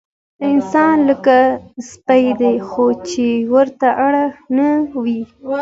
انسان لکه سپی دی، څو چې ورته اړ نه وي.